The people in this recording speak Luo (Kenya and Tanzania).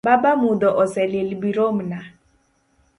Baba mudho ose lil biromna.